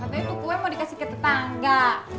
katanya tuh kue mau dikasih ke tetangga